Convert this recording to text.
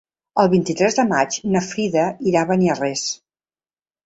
El vint-i-tres de maig na Frida irà a Beniarrés.